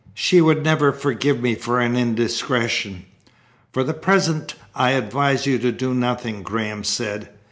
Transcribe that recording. She would never forgive me for an indiscretion." "For the present I advise you to do nothing," Graham said.